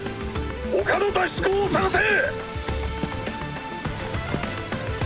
他の脱出口を探せ。